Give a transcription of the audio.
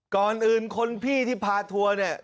ก่อนอื่นคนพี่ที่พาทัวร์เนี่ย